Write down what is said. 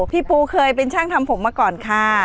พี่ปูเคยเป็นช่างทำผมมาก่อนค่ะ